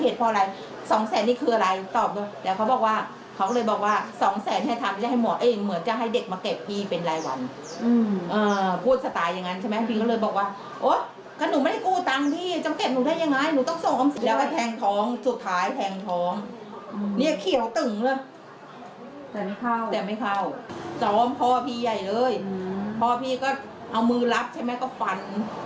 แต่ไม่เข้าแต่ไม่เข้าสอบพ่อพี่ใหญ่เลยพ่อพี่ก็เอามือลับใช่ไหมก็ฟัน